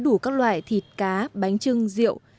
đủ các loại thịt cá bánh trưng rượu